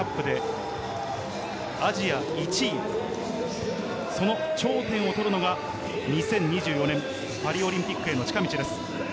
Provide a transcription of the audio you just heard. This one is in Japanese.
ただ来年のワールドカップでアジア１位、その頂点を取るのが２０２４年パリオリンピックへの近道です。